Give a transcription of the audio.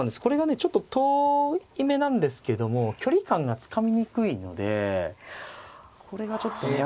ちょっと遠めなんですけども距離感がつかみにくいのでこれがちょっと嫌なんですよね。